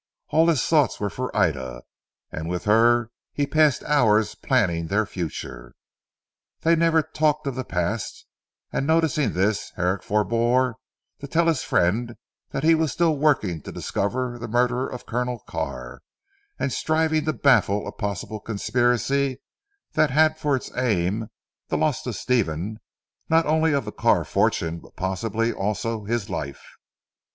All his thoughts were for Ida, and with her he passed hours planning their future. They never talked of the past, and noticing this, Herrick forebore to tell his friend that he was still working to discover the murderer of Colonel Carr, and striving to baffle a possible conspiracy that had for its aim, the loss to Stephen not only of the Carr fortune, but possibly also of his life.